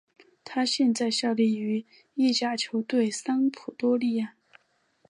他现在效力于意甲球队桑普多利亚。